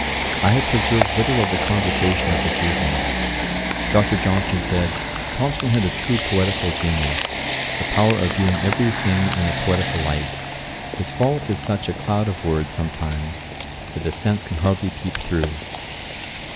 I have preserved little of the conversation of this evening. Dr. Johnson said, 'Thomson had a true poetical genius, the power of viewing every thing in a poetical light. His fault is such a cloud of words sometimes, that the sense can hardly peep through.